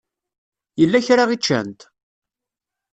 Yella kra i ččant?